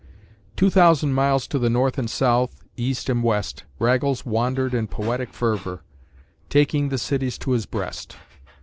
Two thousand miles to the north and south, east and west, Raggles wandered in poetic fervor, taking the cities to his breast.